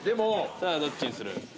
さあどっちにする？